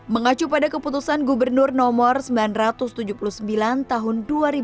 mengacu pada keputusan gubernur nomor sembilan ratus tujuh puluh sembilan tahun dua ribu dua puluh